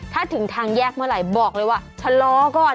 ถ้าถึงทางแยกเมื่อไหร่บอกเลยว่าชะลอก่อน